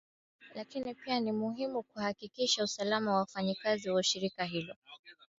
lakini pia ni muhimu kuakikisha usalama wa wafanyakazi wa shirika hilo